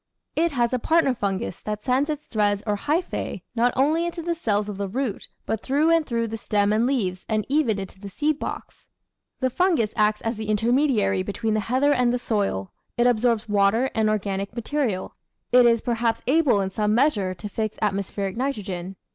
It has a partner fungus that sends its threads or hypha? not only into the cells of the root, but through and through the stem and leaves, and even into the seed box. The fungus acts as the intermediary between the heather and the soil ; it absorbs water and organic material; it is perhaps able in some measure to fix atmospheric nitrogen.